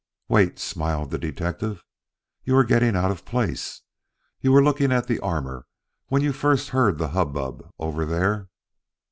"Wait!" smiled the detective. "You are getting out of place. You were looking at the armor when you first heard the hubbub over there?"